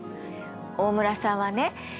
大村さんはね